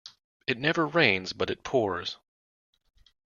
It never rains but it pours.